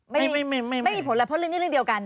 ไม่มีไม่มีผลแล้วเพราะเรื่องนี้เรื่องเดียวกัน